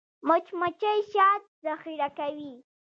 مچمچۍ شات ذخیره کوي